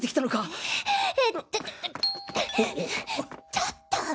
ちょっと！